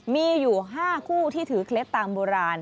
มีอยู่๕คู่ที่ถือเคล็ดตามโบราณ